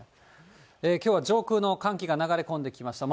きょうは上空の寒気が流れ込んできました。